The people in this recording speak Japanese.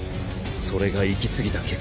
それがいきすぎた